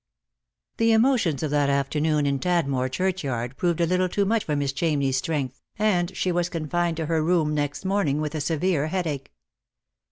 The emotions of that afternoon in Tadmor churchyard proved a little too much for Miss Chamney's strength, and she was confined to her room next morning with a severe headache.